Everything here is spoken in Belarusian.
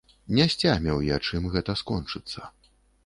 Не сцяміў я, чым гэта скончыцца.